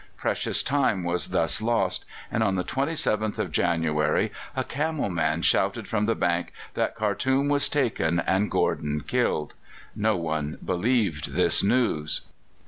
Precious time was thus lost, and on the 27th of January a camel man shouted from the bank that Khartoum was taken and Gordon killed. No one believed this news.